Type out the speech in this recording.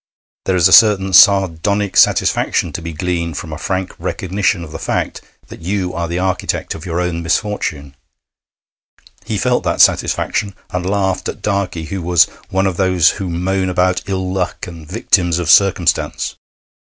There is a certain sardonic satisfaction to be gleaned from a frank recognition of the fact that you are the architect of your own misfortune. He felt that satisfaction, and laughed at Darkey, who was one of those who moan about 'ill luck' and 'victims of circumstance.'